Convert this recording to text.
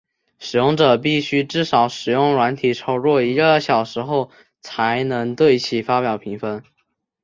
使用者必须至少使用软体超过一个小时后才能对其发表评分。